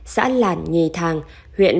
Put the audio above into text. xã làn nhì thàn huyện